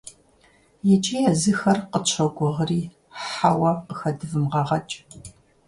Иджы езыхэр къытщогугъри, «хьэуэ» къыхэдвмыгъэгъэкӀ.